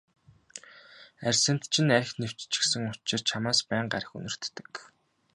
Арьсанд чинь архи нэвччихсэн учир чамаас байнга архи үнэртдэг.